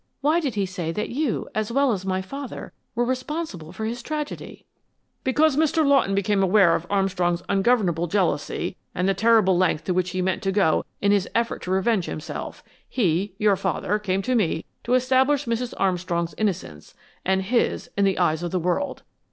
Why did he say that you, as well as my father, were responsible for his tragedy?" "Because when Mr. Lawton became aware of Armstrong's ungovernable jealousy and the terrible length to which he meant to go in his effort to revenge himself, he your father came to me to establish Mrs. Armstrong's innocence, and his, in the eyes of the world.